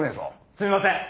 すみません。